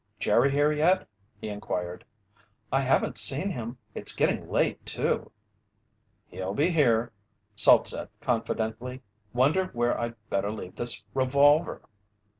"Jerry here yet?" he inquired. "I haven't seen him. It's getting late too." "He'll be here," Salt said confidently. "Wonder where I'd better leave this revolver?"